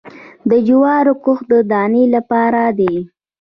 د جوارو کښت د دانې لپاره دی